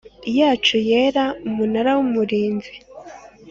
yacu yera Umunara w Umurinzi